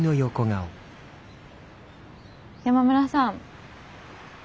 山村さん。